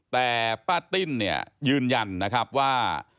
แต่ป้าติ้นเนี่ยยืนยันนะครับว่า